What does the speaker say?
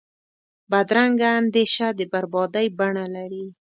بدرنګه اندیشه د بربادۍ بڼه لري